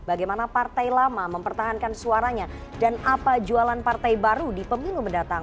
bagaimana partai lama mempertahankan suaranya dan apa jualan partai baru di pemilu mendatang